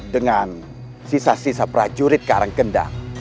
dengan sisa sisa prajurit karangkendang